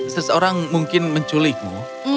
seseorang mungkin menculikmu